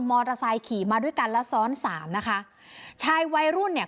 มอเตอร์ไซค์ขี่มาด้วยกันแล้วซ้อนสามนะคะชายวัยรุ่นเนี่ย